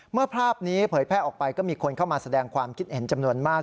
ภาพนี้เผยแพร่ออกไปก็มีคนเข้ามาแสดงความคิดเห็นจำนวนมาก